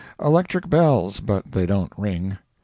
Electric bells, but they don't ring.